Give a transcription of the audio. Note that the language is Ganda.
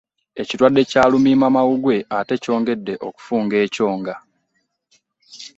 Ekirwadde kya lumiimamawuggwe ate kyongedde okufunga ekyonga.